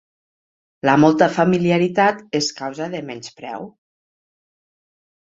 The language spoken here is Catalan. La molta familiaritat és causa de menyspreu.